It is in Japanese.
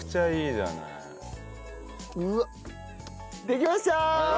できました！